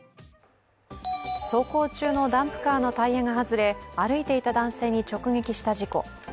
走行中のダンプカーのタイヤが外れ、歩いていた男性に直撃した事故。